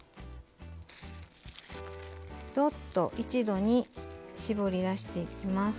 どっと一度に絞り出していきます。